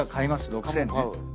６，０００ね。